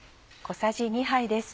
小さじ２杯です。